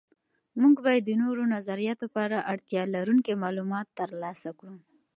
موږ باید د نورو نظریاتو په اړه اړتیا لرونکي معلومات تر لاسه کړو.